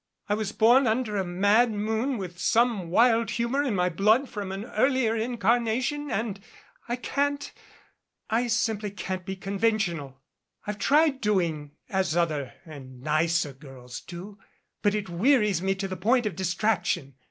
I was born under a mad moon with some wild humor in my blood from an earlier incarnation and I can't I simply can't be conventional. I've tried doing as other and nicer girls do but it wearies me to the point of distraction.